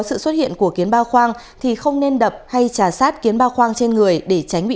sự xuất hiện của kiến ba khoang thì không nên đập hay trà sát kiến bao khoang trên người để tránh bị